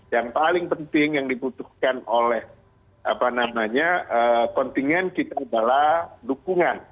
yang paling penting yang dibutuhkan oleh apa namanya pentingnya kita adalah dukungan